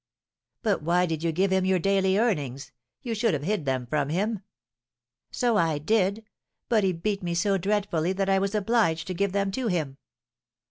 "But why did you give him your daily earnings? you should have hid them from him." "So I did; but he beat me so dreadfully that I was obliged to give them to him.